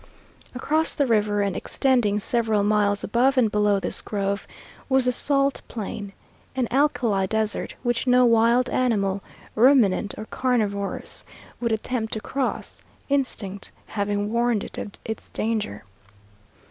Across the river, and extending several miles above and below this grove, was the salt plain an alkali desert which no wild animal, ruminant or carnivorous, would attempt to cross, instinct having warned it of its danger.